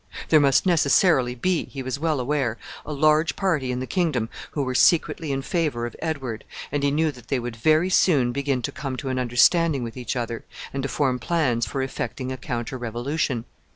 There must necessarily be, he was well aware, a large party in the kingdom who were secretly in favor of Edward, and he knew that they would very soon begin to come to an understanding with each other, and to form plans for effecting a counter revolution.